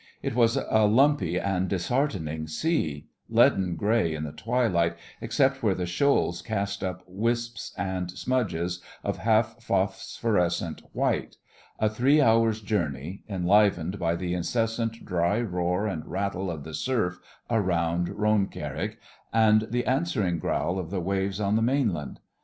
It was a lumpy and disheartening sea, leaden grey in the twilight except where the shoals cast up wisps and smudges of half phosphorescent white—a three hours' journey, enlivened by the incessant dry roar and rattle of the surf around Roancarrig and the answering growl of the waves on the mainland.